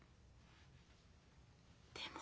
でも。